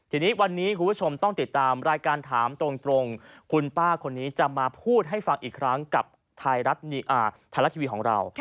ทีนี้วันนี้คุณผู้ชมต้องติดตามรายการถามตรงคุณป้าคนนี้จะมาพูดให้ฟังอีกครั้งกับไทยรัฐทีวีของเรา